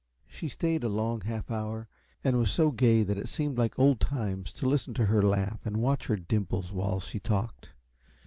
She stayed a long half hour, and was so gay that it seemed like old times to listen to her laugh and watch her dimples while she talked.